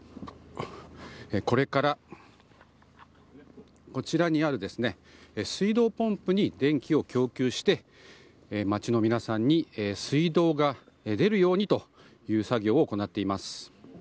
これからこちらにある水道ポンプに電気を供給して、街の皆さんに水道が出るようにという作業を行っています。